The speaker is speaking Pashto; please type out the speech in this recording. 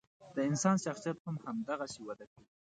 د انسان شخصیت هم همدغسې وده کوي.